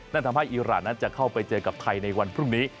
นั่นทำให้อีรานนั้นจะเข้าไปเจอกับไทยในวันพรุ่งนี้